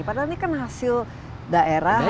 padahal ini kan hasil daerah